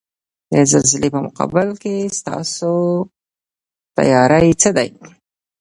د زلزلې په مقابل کې ستاسو تیاری څه دی؟